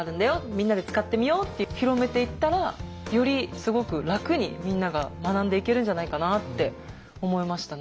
みんなで使ってみよう」って広めていったらよりすごく楽にみんなが学んでいけるんじゃないかなって思いましたね。